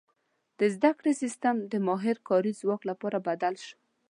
• د زده کړې سیستم د ماهر کاري ځواک لپاره بدل شو.